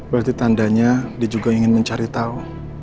berarti tandanya dia juga ingin mencari tahu